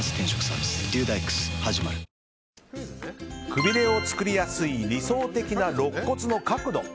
くびれを作りやすい理想的なろっ骨の角度。